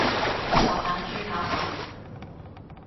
滑蛋豬扒飯